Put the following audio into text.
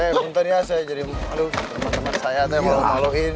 nanti ya saya jadi aduh teman teman saya saya mau malu maluin